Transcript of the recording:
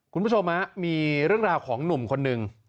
คุณผู้ชมมีเรื่องราวของหนุ่มคนหนึ่ง